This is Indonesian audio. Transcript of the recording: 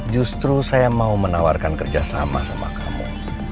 justru saya mau menawarkan kerjasama sama kamu